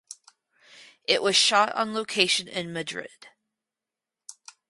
It was shot on location in Madrid.